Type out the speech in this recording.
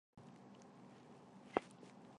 理事会为其最高权力机关。